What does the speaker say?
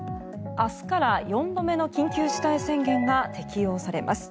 明日から４度目の緊急事態宣言が適用されます。